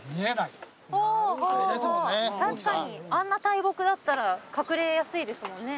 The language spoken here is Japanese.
あんな大木だったら隠れやすいですもんね。